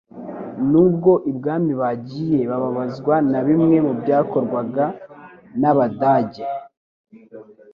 N'ubwo ibwami bagiye bababazwa na bimwe mu byakorwaga n'Abadage